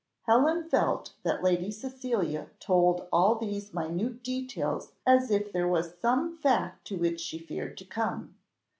Helen felt that Lady Cecilia told all these minute details as if there was some fact to which she feared to come.